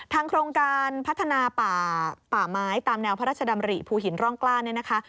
โครงการพัฒนาป่าป่าไม้ตามแนวพระราชดำริภูหินร่องกล้าเนี่ยนะคะ